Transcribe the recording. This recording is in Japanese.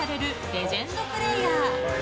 レジェンドプレーヤー。